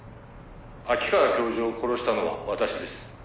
「“秋川教授を殺したのは私です”」